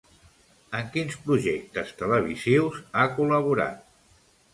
En quins projectes televisius ha col·laborat?